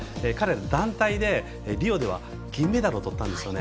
団体でリオでは銀メダルをとったんですね。